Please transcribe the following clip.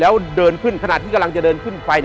แล้วเดินขึ้นขณะที่กำลังจะเดินขึ้นไฟ